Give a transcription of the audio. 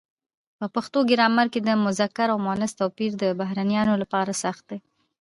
په پښتو ګرامر کې د مذکر او مونث توپیر د بهرنیانو لپاره سخت دی.